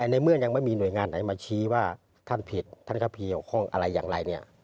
ในเมื่อยังไม่มีหน่วยงานไหนมาชี้ว่าท่านผิดท่านก็พีเกี่ยวข้องอะไรอย่างไรเนี่ย